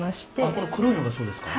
この黒いのがそうですか？